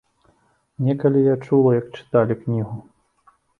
Некалі я чула, як чыталі кнігу.